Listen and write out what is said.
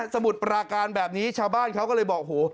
มุดปราการแบบนี้ชาวบ้านเขาก็เลยบอกโห